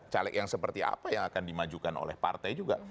caleg yang seperti apa yang akan dimajukan oleh partai juga